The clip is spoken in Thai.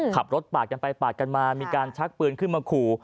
ขับรถปาดกันไปปาดกันมามีการชักปืนขึ้นมาขู่